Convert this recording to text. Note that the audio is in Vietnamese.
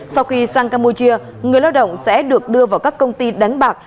sau khi sang campuchia người lao động sẽ được đưa vào các công ty đánh bạc